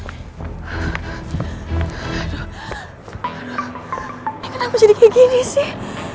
ini kenapa jadi kayak gini sih